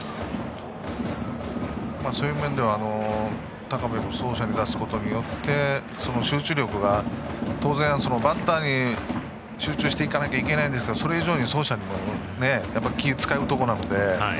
そういう面では高部を走者に出すことによってその集中力が当然、バッターに集中していかなきゃいけないんですが、それ以上に走者にも気を使うところなので。